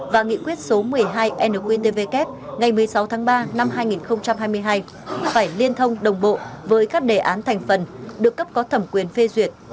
và nghị quyết số một mươi hai nqtvk ngày một mươi sáu tháng ba năm hai nghìn hai mươi hai phải liên thông đồng bộ với các đề án thành phần được cấp có thẩm quyền phê duyệt